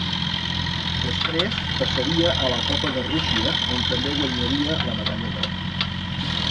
Després passaria a la Copa de Rússia, on també guanyaria la medalla d'or.